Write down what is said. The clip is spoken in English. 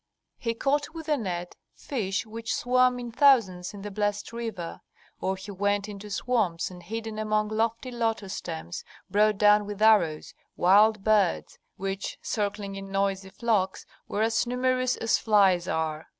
He caught with a net fish which swam in thousands in the blessed river, or he went into swamps, and hidden among lofty lotus stems brought down with arrows wild birds, which circling in noisy flocks were as numerous as flies are.